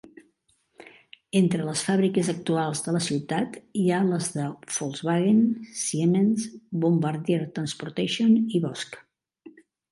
Entre les fàbriques actuals de la ciutat hi ha les de Volkswagen, Siemens, Bombardier Transportation i Bosch.